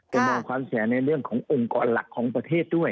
จะมองความแฉในเรื่องขององค์กรหลักของประเทศด้วย